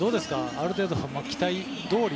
ある程度期待どおり？